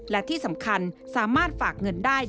และที่สำคัญสามารถฝากเงินได้